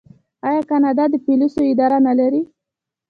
آیا کاناډا د پولیسو اداره نلري؟